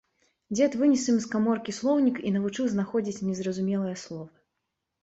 Дзед вынес ім з каморкі слоўнік і навучыў знаходзіць незразумелыя словы.